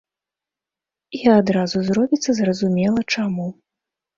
І адразу зробіцца зразумела, чаму.